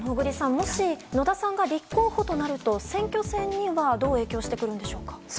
もし野田さんが立候補となると選挙戦にはどう影響してくるんでしょうか。